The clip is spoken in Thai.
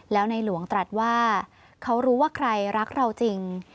แล้วในหลวงตรัสว่าเขารู้ว่าใครรักเราจริง